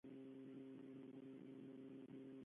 Quin projecte van fer a l'Aragó?